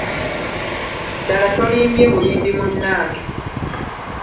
Ddala tolimbye bulimbi munnange.